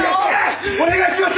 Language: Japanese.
お願いします！